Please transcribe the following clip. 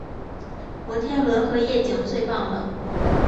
摩天轮和夜景最棒了